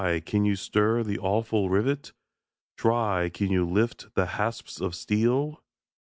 can you stir the awful rivet? Try! can you lift the hasps of steel?